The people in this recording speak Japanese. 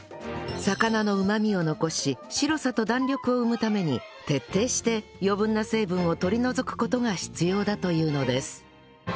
魚のうまみを残し白さと弾力を生むために徹底して余分な成分を取り除く事が必要だというのです